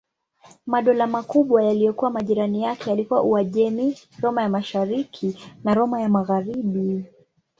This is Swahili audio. Madola makubwa yaliyokuwa majirani yake yalikuwa Uajemi, Roma ya Mashariki na Roma ya Magharibi.